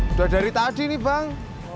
udah dari tadi nih bang